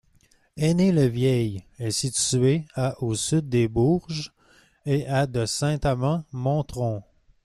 Ainay-le-Vieil est située à au sud de Bourges et à de Saint-Amand-Montrond.